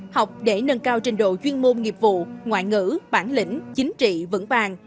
học để nâng cao trình độ chuyên môn nghiệp vụ ngoại ngữ bản lĩnh chính trị vận bàn